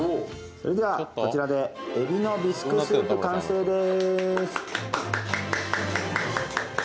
それではこちらでえびのビスクスープ完成です。